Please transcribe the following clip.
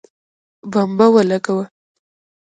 بمبه ولګوه